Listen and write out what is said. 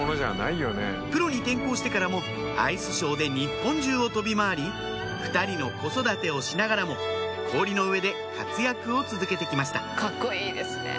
プロに転向してからもアイスショーで日本中を飛び回り２人の子育てをしながらも氷の上で活躍を続けてきましたカッコいいですね。